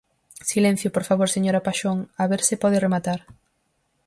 Silencio, por favor, señora Paxón, a ver se pode rematar.